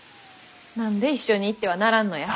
何で一緒に行ってはならんのや。